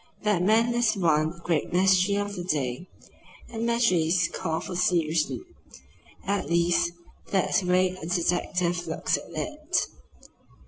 That man is the one great mystery of the day, and mysteries call for solution. At least, that's the way a detective looks at it."